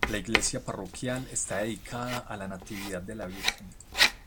La iglesia parroquial está dedicada a la Natividad de la Virgen.